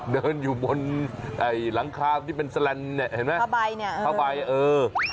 เดินอยู่บนหลังคาที่เป็นสแลนด์พระใบเนี่ย